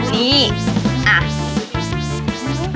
นี่อ่ะ